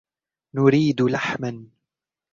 نريد لحما.